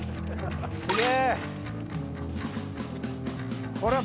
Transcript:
すげえ！